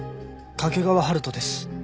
掛川春人です。